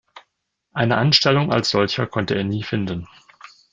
Eine Anstellung als solcher konnte er nie finden.